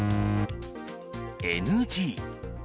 ＮＧ。